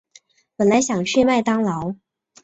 本来想去麦当劳